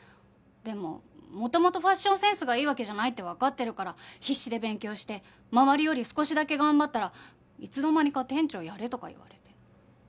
でも元々ファッションセンスがいいわけじゃないってわかってるから必死で勉強して周りより少しだけ頑張ったらいつの間にか「店長やれ」とか言われて。